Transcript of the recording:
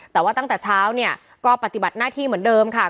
แต่ว่าตั้งแต่เช้าเนี่ยก็ปฏิบัติหน้าที่เหมือนเดิมค่ะ